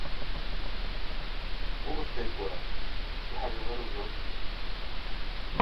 УкъыстекӀуэрэ, - си хьэжыгъэр узот.